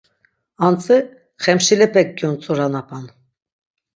Antzi Xemşilepek gyontzuranapan.